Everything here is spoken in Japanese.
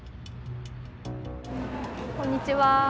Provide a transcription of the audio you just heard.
こんにちは。